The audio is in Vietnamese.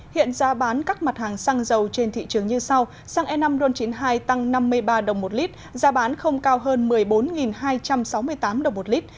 hiện giá bán các mặt hàng xăng dầu trên thị trường như sau xăng e năm ron chín mươi hai tăng năm mươi ba đồng một lít giá bán không cao hơn một mươi bốn hai trăm sáu mươi tám đồng một lít